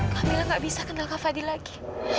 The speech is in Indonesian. kak mila gak bisa kenal kak fadil lagi